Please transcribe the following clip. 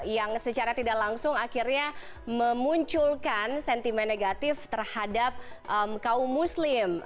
yang secara tidak langsung akhirnya memunculkan sentimen negatif terhadap kaum muslim